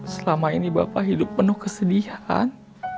selama ini bapak hidup penuh kesedihan